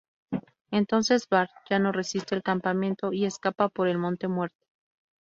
Entonces Bart ya no resiste el campamento, y escapa por el Monte Muerte.